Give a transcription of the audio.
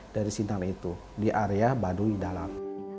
dari sintang itu di area baduy dalam